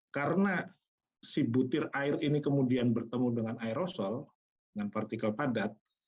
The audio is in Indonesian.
karena si butir air ini kemudian bertemu dengan aerosol dengan partikel padat